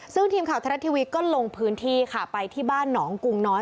ซึ่งทีมข่าวไทยรัฐทีวีก็ลงพื้นที่ค่ะไปที่บ้านหนองกุงน้อย